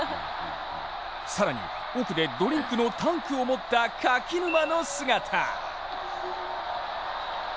更に奥でドリンクのタンクを持った柿沼の姿。